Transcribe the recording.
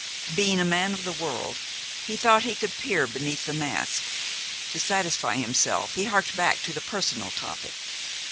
Being a man of the world, he thought he could peer beneath the mask. To satisfy himself, he harked back to the personal topic.